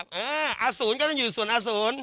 ปู่มหาหมุนีบอกว่าตัวเองอสูญที่นี้ไม่เป็นไรหรอก